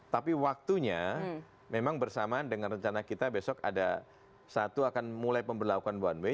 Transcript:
tapi waktunya memang bersamaan dengan rencana kita besok ada satu akan mulai pemberlakuan one way